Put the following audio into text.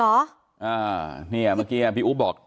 อ่าเนี่ยเมื่อกี้พี่อุ๊ปบอก